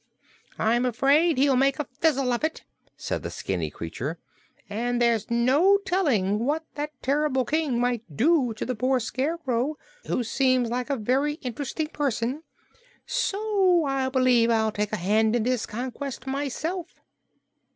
"I'm afraid he'll make a fizzle of it," said the skinny creature, "and there's no telling what that terrible King might do to the poor Scarecrow, who seems like a very interesting person. So I believe I'll take a hand in this conquest myself."